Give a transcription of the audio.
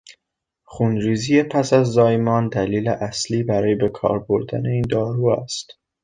خونریزی پس از زایمان دلیل اصلی برای به کار بردن این دارو است.